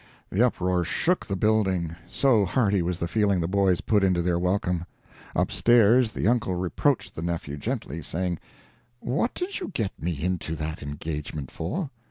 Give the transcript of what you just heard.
The uproar shook the building, so hearty was the feeling the boys put into their welcome. Upstairs the uncle reproached the nephew gently, saying, "What did you get me into that engagement for?"